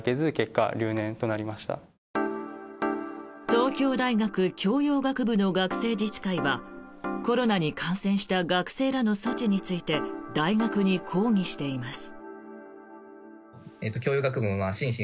東京大学教養学部の学生自治会はコロナに感染した学生らの措置について大学に抗議しています。